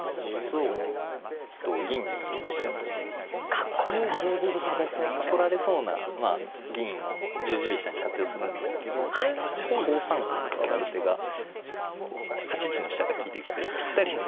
かっこいい十字飛車ですねこれは。取られそうな銀を十字飛車に活用するんですけどこれこう５三角と上がる手がこう８一の飛車が利いてきてぴったりに。